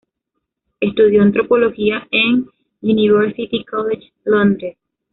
Estudió antropología en University College, Londres.